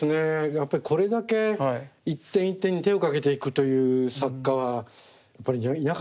やっぱりこれだけ一点一点に手をかけていくという作家はやっぱりいなかったでしょうね。